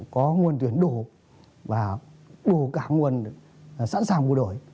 có nguồn tuyển đủ và đủ cả nguồn sẵn sàng bù đổi